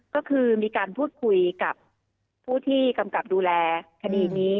ก็คือมีการพูดคุยกับผู้ที่กำกับดูแลคดีนี้